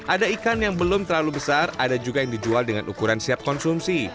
ada ikan yang belum terlalu besar ada juga yang dijual dengan ukuran siap konsumsi